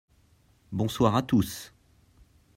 bonsoir à tous.